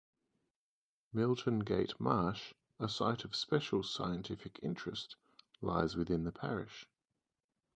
Milton Gate Marsh, a Site of Special Scientific Interest, lies within the parish.